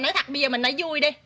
nói thật bây giờ mình nói vui đi